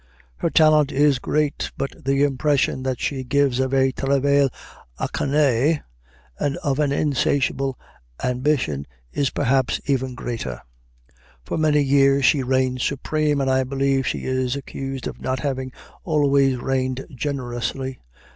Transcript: Her talent is great, but the impression that she gives of a travail acharné and of an insatiable ambition is perhaps even greater. For many years she reigned supreme, and I believe she is accused of not having always reigned generously.